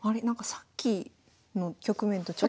さっきの局面とちょっと。